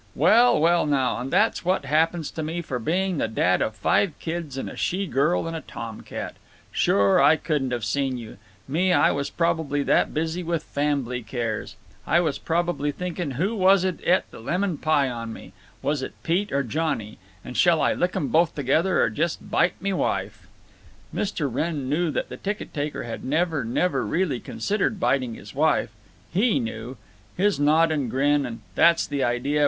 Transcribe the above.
"Well, well, now, and that's what happens to me for being the dad of five kids and a she girl and a tom cat. Sure, I couldn't 've seen you. Me, I was probably that busy with fambly cares—I was probably thinking who was it et the lemon pie on me—was it Pete or Johnny, or shall I lick 'em both together, or just bite me wife." Mr. Wrenn knew that the ticket taker had never, never really considered biting his wife. He knew! His nod and grin and "That's the idea!"